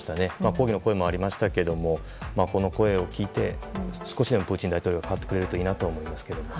抗議の声もありましたがこの声を聞いて少しでもプーチン大統領が変わってくれればいいと思いますけど。